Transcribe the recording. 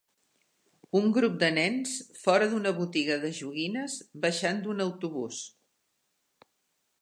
Un grup de nens fora d'una botiga de joguines baixant d'un autobús.